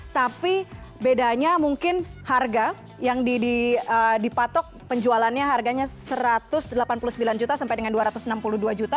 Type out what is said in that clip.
tapi bedanya mungkin harga yang dipatok penjualannya harganya satu ratus delapan puluh sembilan juta sampai dengan dua ratus enam puluh dua juta